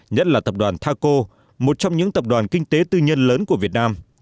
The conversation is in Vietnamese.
nhất là tập đoàn taco một trong những tập đoàn kinh tế tư nhân lớn của việt nam